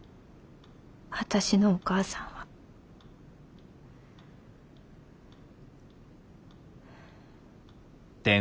私のお母さんは。はあ。